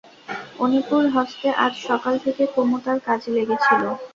অনিপুণ হস্তে আজ সকাল থেকে কুমু তার কাজে লেগেছিল।